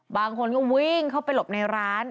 บางคนก็วิ่งเข้าไปหลบในร้าน